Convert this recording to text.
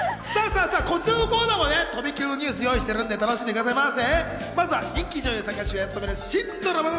さぁ、こちらのコーナーもとびきりのニュース用意しているので、楽しんでくださいませ。